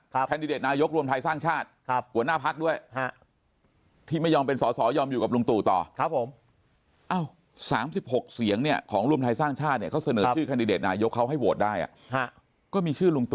คาดดิเดทนายกรวมไทยสร้างชาติ